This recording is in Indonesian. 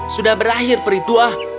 sudah berakhir peri tua